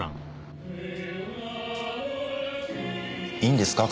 いいんですか？